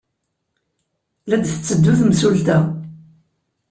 La d-tetteddu temsulta!